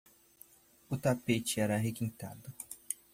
O tapete era requintado.